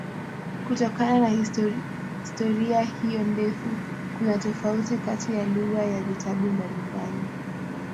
Kutokana na historia hiyo ndefu kuna tofauti katika lugha ya vitabu mbalimbali.